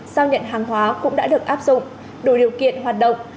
sao nhận hàng hóa cũng đã được áp dụng đủ điều kiện hoạt động